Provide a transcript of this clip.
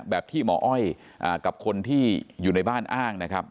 แบบที่หมออ้อยกับคนที่อยู่ในบ้านอ้างนะครับ